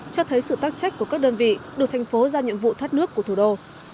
cho thấy sự tác trách của các đơn vị được thành phố ra nhiệm vụ thoát nước của thủ đô